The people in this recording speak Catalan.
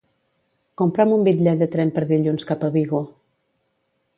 Compra'm un bitllet de tren per dilluns cap a Vigo.